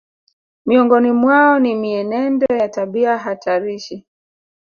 Miongoni mwao ni mienendo ya tabia hatarishi